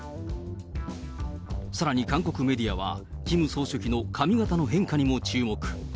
さらに韓国メディアは、キム総書記の髪形の変化にも注目。